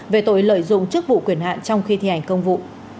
về tội lợi dụng chức vụ quyền hạn trong khi thi hành công vụ